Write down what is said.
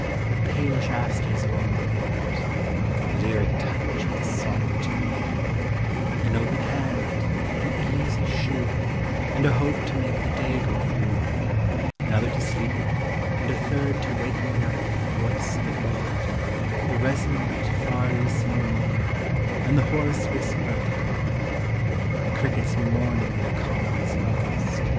The palish asters along the wood, — A lyric touch of the solitude; An open hand, an easy shoe, And a hope to make the day go through, — Another to sleep with, and a third To wake me up at the voice of a bird; The resonant, far listening morn, And the hoarse whisper of the corn ; The crickets mourning their comrades lost.